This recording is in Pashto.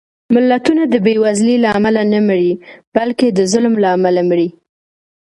ملتونه د بېوزلۍ له امله نه مري، بلکې د ظلم له امله مري